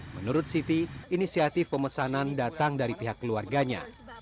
menurut siti inisiatif pemesanan datang dari pihak keluarganya